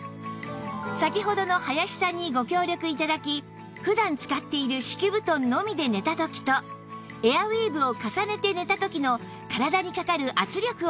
先ほどの林さんにご協力頂き普段使っている敷き布団のみで寝た時とエアウィーヴを重ねて寝た時の体にかかる圧力を測定